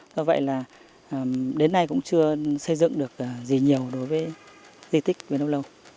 do vậy là đến nay cũng chưa xây dựng được gì nhiều đối với di tích bến âu lâu